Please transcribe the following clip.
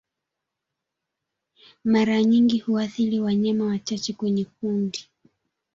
Mara nyingi huathiri wanyama wachache kwenye kundi